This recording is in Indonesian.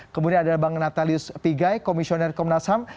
kemudian ada bang natalius pigai komisioner komnas ham